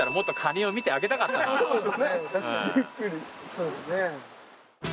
そうですね。